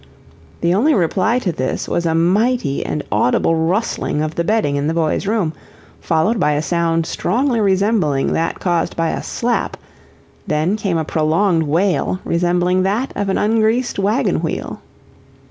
The only reply to this was a mighty and audible rustling of the bedding in the boys' room, followed by a sound strongly resembling that caused by a slap; then came a prolonged wail, resembling that of an ungreased wagon wheel.